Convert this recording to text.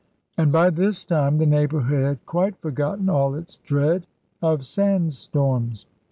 And by this time the neighbourhood had quite forgotten all its dread of sand storms.